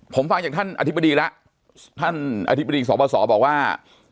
ผมฟังจากท่านอธิบดีแล้วท่านอธิบดีสบสบอกว่า